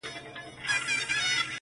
زه و خدای چي زړه و تن مي ټول سوځېږي,